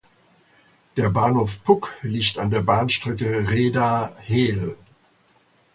Der Bahnhof Puck liegt an der Bahnstrecke Reda–Hel.